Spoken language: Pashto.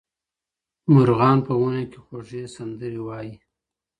مرغان په ونو کې خوږې سندرې وايي.